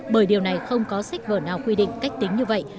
bởi điều này không có sách vở nào quy định cách tính như vậy